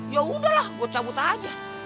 ya udahlah buat cabut aja